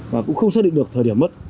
và cũng không xác định được thời điểm mất